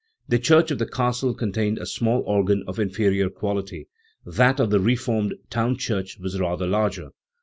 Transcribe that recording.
The church of the castle contained a small organ of inferior quality; that of the reformed town church was rather larger.